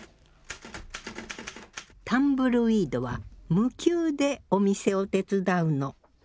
タンブルウィードは無給でお店を手伝うの。